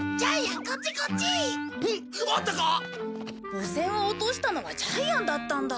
母船を落としたのはジャイアンだったんだ。